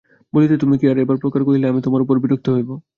বলিতে কি তুমি আর বার এপ্রকার কহিলে আমি তোমার উপর বিরক্ত হইব।